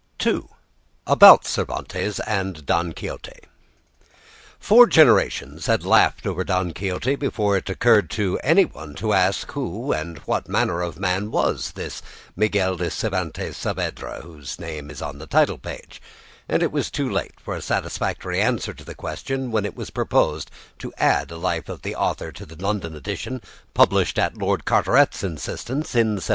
II: ABOUT CERVANTES AND DON QUIXOTE Four generations had laughed over "Don Quixote" before it occurred to anyone to ask, who and what manner of man was this Miguel de Cervantes Saavedra whose name is on the title page; and it was too late for a satisfactory answer to the question when it was proposed to add a life of the author to the London edition published at Lord Carteret's instance in 1738.